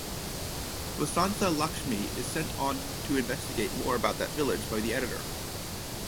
Vasantha Lakshmi is sent on to investigate more about that village by the editor.